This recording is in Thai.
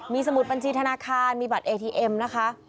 มีสมุดบัญชีธนาคารมีบัตรเอทีเอ็มนะคะ